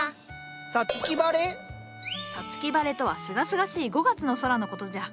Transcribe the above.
五月晴れとはすがすがしい５月の空のことじゃ。